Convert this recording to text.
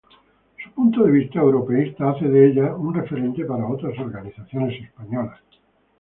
Su punto de vista europeísta hace de ella un referente para otras organizaciones españolas.